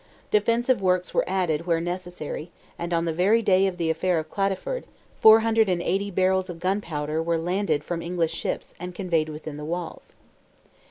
Defensive works were added, where necessary, and on the very day of the affair of Cladyford, 480 barrels of gunpowder were landed from English ships and conveyed within the walls.